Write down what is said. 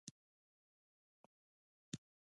د اب کمري ځنګلونه پسته دي